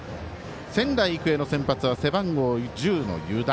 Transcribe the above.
仙台育英の先発は背番号１０の湯田。